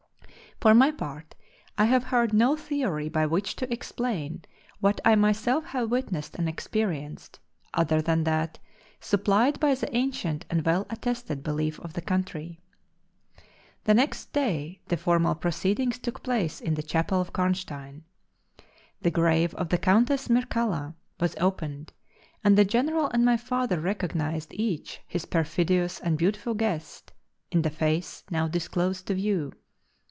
For my part I have heard no theory by which to explain what I myself have witnessed and experienced, other than that supplied by the ancient and well attested belief of the country. The next day the formal proceedings took place in the Chapel of Karnstein. The grave of the Countess Mircalla was opened; and the General and my father recognized each his perfidious and beautiful guest, in the face now disclosed to view.